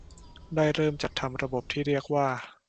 ได้เริ่มจัดทำระบบที่เรียกว่า